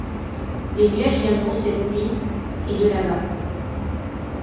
Les nuages viendront cette nuit… et de là-bas…